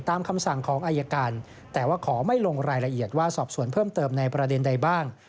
คำสั่งของอายการแต่ว่าขอไม่ลงรายละเอียดว่าสอบสวนเพิ่มเติมในประเด็นใดบ้าง